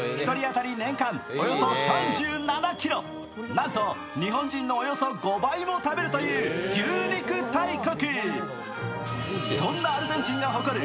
なんと日本人の５倍も食べるという牛肉大国。